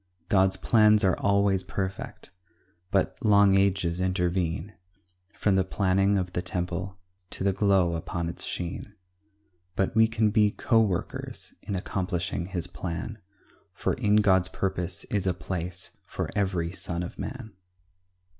God's plans are always perfect, But long ages intervene From the planning of the temple To the glow upon its sheen; But we can be co workers In accomplishing his plan; For in God's purpose is a place For every son of man.